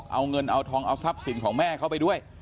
เอาเงินเอาทองเอาทรัพย์สินของแม่เขาไปด้วย